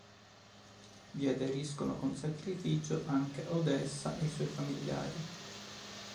Vi aderiscono con sacrificio anche Odessa e i suoi famigliari.